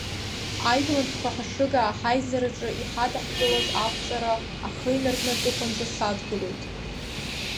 Аижәлантәқәа Ҳашыгаа ҳаизараҿы иҳадаҳкылаз Ақәҵара ахы инаркны аҵыхәанӡа садгылоит.